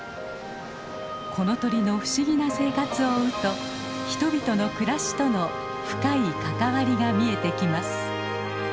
この鳥の不思議な生活を追うと人々の暮らしとの深い関わりが見えてきます。